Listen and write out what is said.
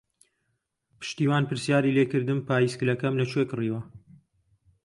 پشتیوان پرسیاری لێ کردم پایسکلەکەم لەکوێ کڕیوە.